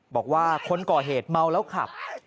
บอกว่าคนก่อเหตุเมาแล้วขับ